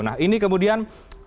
nah ini kemudian